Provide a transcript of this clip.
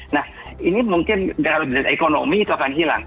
nah ini mungkin ekonomi itu akan hilang